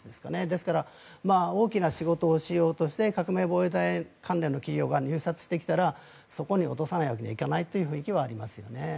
ですから大きな仕事をしようとして革命防衛隊関連の企業が入札してきたらそこに落とさないわけにはいかないという雰囲気はありますよね。